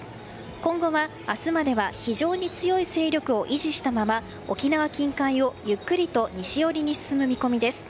今後は、明日までは非常に強い勢力を維持したまま沖縄近海をゆっくりと西寄りに進む見込みです。